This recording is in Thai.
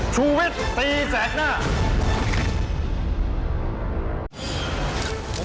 สูญวิษย์ตีแสดหน้า